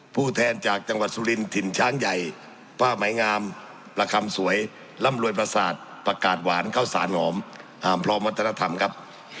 ผู้แทนจากจังหวัดสุรินถิ่นช้างใหญ่ผ้าไหมงามประคำสวยร่ำรวยประสาทประกาศหวานเข้าสารหลอมพร้อมวัฒนธรรมครับ